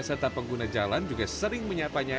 serta pengguna jalan juga sering menyapanya